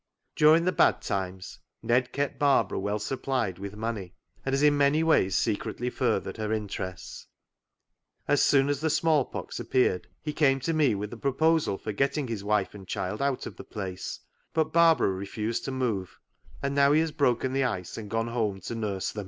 " During the bad times Ned kept Barbara well supplied with money, and has in many ways secretly furthered her interests. As soon as the smallpox appeared, he came to me with a proposal for getting his wife and child out of the place, but Barbara refused to move, and now he has broken the ice and gone home to nurse them."